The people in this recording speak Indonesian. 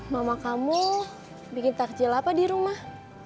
mama kamu bikin takjil apa di rumah